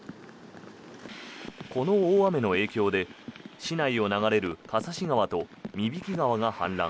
この大雨の影響で、市内を流れる笠師川と三引川が氾濫。